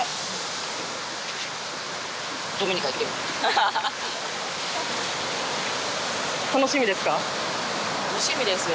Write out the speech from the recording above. ハハハッ楽しみですか？